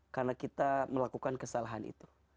karena kita melakukan kesalahan itu